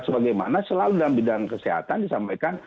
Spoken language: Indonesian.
sebagaimana selalu dalam bidang kesehatan disampaikan